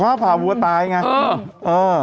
ฟ้าผ่าวัวตายไงอ่อ